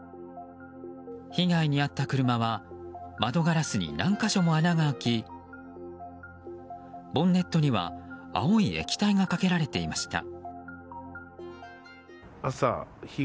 被害に遭った車は窓ガラスに何か所も穴が開きボンネットには青い液体がかけられていました。